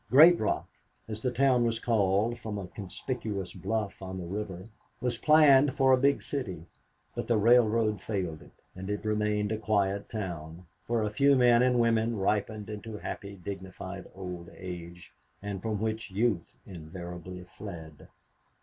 Great Rock, as the town was called from a conspicuous bluff on the river, was planned for a big city; but the railroad failed it, and it remained a quiet town, where a few men and women ripened into happy, dignified old age, but from which youth invariably fled.